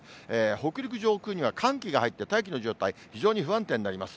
北陸上空には寒気が入って、大気の状態非常に不安定になります。